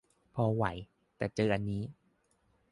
พอไหว แต่เจออันนี้